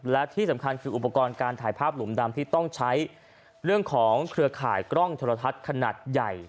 และที่สำคัญคืออุปกรณ์การถ่ายภาพหลุมดำที่ต้องใช้เรื่องของเครือข่ายกล้องโทรทัศน์ขนาดใหญ่